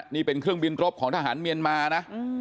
นี่เป็นเครื่องบินรบของทหารเมียนมานะ